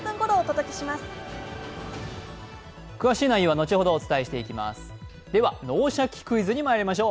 詳しい内容は後ほどお伝えしてまいります。